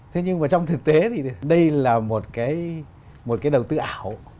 thế nhưng mà trong thực tế thì đây là một cái đầu tư ảo